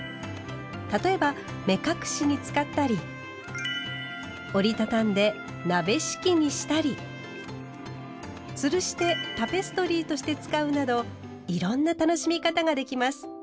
例えば目隠しに使ったり折り畳んで鍋敷きにしたりつるしてタペストリーとして使うなどいろんな楽しみ方ができます。